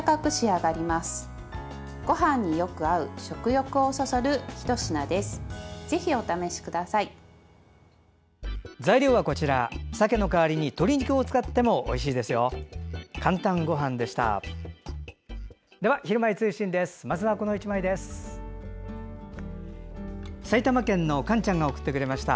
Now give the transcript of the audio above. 「かんたんごはん」でした。